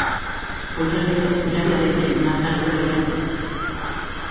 Koltxoneroek miraria behar dute markagailua iraultzeko.